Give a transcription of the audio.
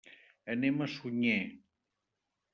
Anem a Sunyer.